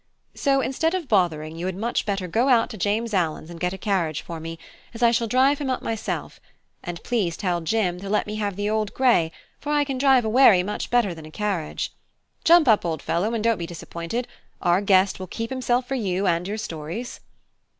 So instead of bothering, you had much better go out to James Allen's and get a carriage for me, as I shall drive him up myself; and please tell Jim to let me have the old grey, for I can drive a wherry much better than a carriage. Jump up, old fellow, and don't be disappointed; our guest will keep himself for you and your stories."